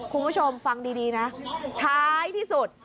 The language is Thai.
คุณผู้ชมฟังดีนะท้ายที่สุด